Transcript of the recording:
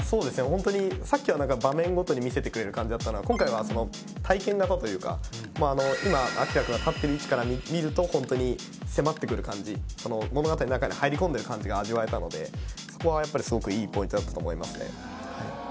ホントにさっきは場面ごとにみせてくれる感じだったのが今回は体験型というかまああの今アキラくんが立ってる位置から見るとホントに迫ってくる感じ物語の中に入り込んでる感じが味わえたのでそこはやっぱりすごくいいポイントだったと思いますね